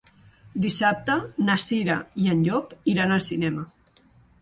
Dissabte na Cira i en Llop iran al cinema.